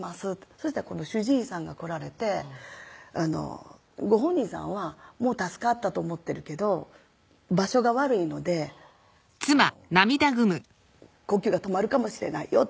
そしたら今度主治医さんが来られて「ご本人さんはもう助かったと思ってるけど場所が悪いのであの呼吸が止まるかもしれないよ」って